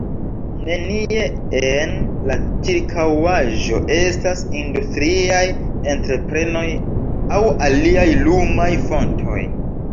Nenie en la ĉirkaŭaĵo estas industriaj entreprenoj aŭ aliaj lumaj fontoj.